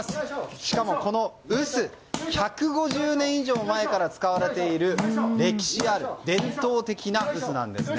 しかもこの臼１５０年以上前から使われている歴史ある伝統的な臼なんですね。